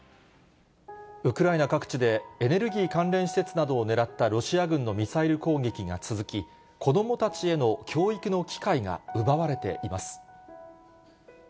ウクライナ各地でエネルギー関連施設などを狙ったロシア軍のミサイル攻撃が続き、子どもたちへの教育の機会が奪われています。